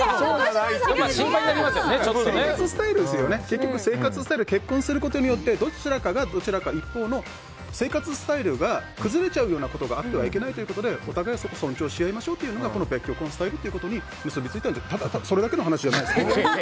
結局、結婚することによってどちらかが、どちらか一方の生活スタイルが崩れちゃうようなことがあってはいけないということで尊重し合いましょうということが別居婚スタイルということに結びついたただそれだけの話じゃないですか。